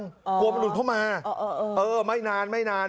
กลัวมันหลุดเข้ามาเออไม่นานไม่นาน